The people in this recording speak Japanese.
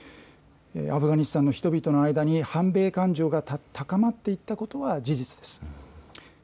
アフガニスタンの人々の間に反米感情が高まっていったことは事実です。